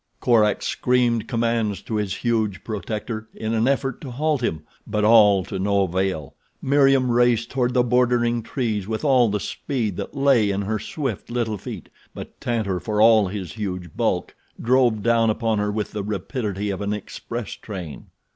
Korak screamed commands to his huge protector, in an effort to halt him; but all to no avail. Meriem raced toward the bordering trees with all the speed that lay in her swift, little feet; but Tantor, for all his huge bulk, drove down upon her with the rapidity of an express train.